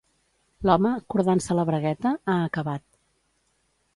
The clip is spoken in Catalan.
L'home, cordant-se la bragueta, ha acabat.